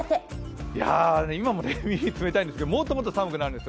今も耳冷たいんですけどもっともっと寒くなるんですよ。